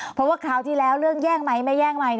เพราะว่าคราวที่แล้วเรื่องแย่งไหมไม่แย่งไหม